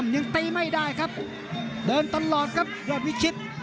ยังตีไม่ได้ครับเดินตลอดครับยอดวิชิต